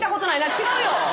違うよ。